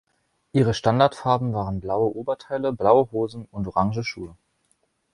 Ihre Standardfarben waren blaue Oberteile, blaue Hosen und Orange Schuhe.